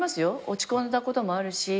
落ち込んだこともあるし。